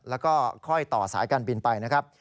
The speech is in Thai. แล้วก็ค่อยต่อสายการบินไปนะครับ